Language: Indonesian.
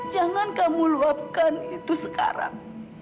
jangan kamu luapkan itu sekarang